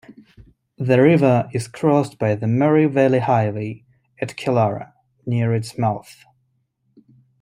The river is crossed by the Murray Valley Highway at Killara, near its mouth.